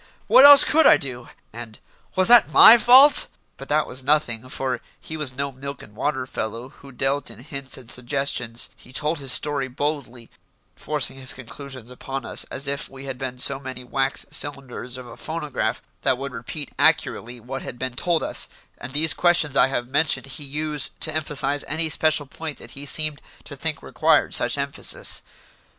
"What else could I do?" and "Was that my fault?" But that was nothing, for he was no milk and water fellow who dealt in hints and suggestions; he told his story boldly, forcing his conclusions upon us as if we had been so many wax cylinders of a phonograph that would repeat accurately what had been told us, and these questions I have mentioned he used to emphasise any special point that he seemed to think required such emphasis.